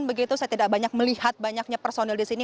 begitu saya tidak banyak melihat banyaknya personil di sini